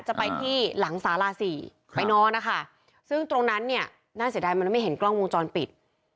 จะไปที่หลังสาราสี่ไปนอนนะคะซึ่งตรงนั้นเนี่ยน่าเสียดายมันไม่เห็นกล้องวงจรปิด